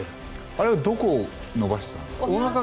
あれはどこを伸ばしてたんですか？